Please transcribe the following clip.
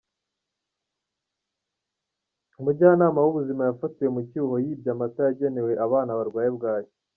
Umujyanama w’ ubuzima yafatiwe mu cyuho yibye amata yagenewe abana barwaye bwaki.